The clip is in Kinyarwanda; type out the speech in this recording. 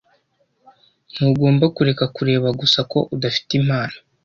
Ntugomba kureka kubera gusa ko udafite impano.